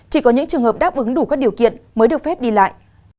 chỉ có những trường hợp đáp ứng đủ các điều kiện mới được phép đi lại